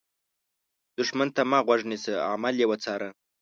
دښمن ته مه غوږ نیسه، عمل یې وڅار